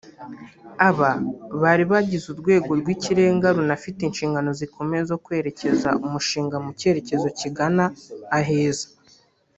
Aba bari bagize urwego rw’ikirenga runafite inshingano zikomeye zo kwerekeza umushinga mu cyerekezo kigana aheza